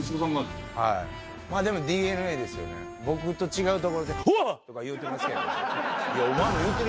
でもＤＮＡですよね、僕と違うところで、お！とか言うてますけどね。